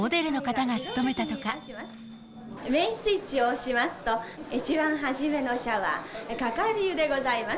メインスイッチを押しますと、一番初めのシャワー、かかり湯でございます。